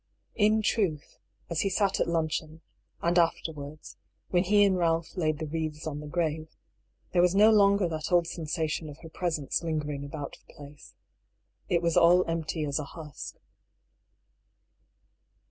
In truth, as he sat at luncheon, and afterwards, when he and Ralph laid the wreaths on the grave, there was no longer that old sensation of her presence lingering about the place. It was all empty as a husk.